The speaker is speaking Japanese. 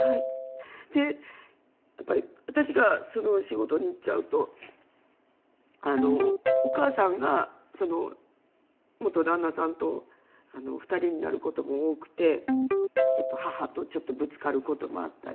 でやっぱり私が仕事に行っちゃうとお母さんが元旦那さんと２人になる事も多くてやっぱり母とちょっとぶつかる事もあったり。